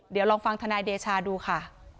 เดี๋ยวลองฟังธนายเดชาดูค่ะ